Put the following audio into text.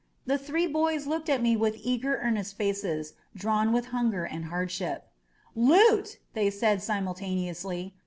The three boys looked at me with eager, earnest faces, drawn with hunger and hardship. "Loot!" they said simultaneously.